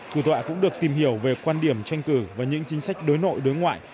thủ tọa cũng được tìm hiểu về quan điểm tranh cử và những chính sách đối nội đối ngoại